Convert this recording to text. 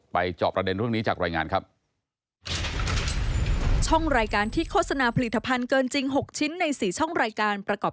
จอบประเด็นเรื่องนี้จากรายงานครับ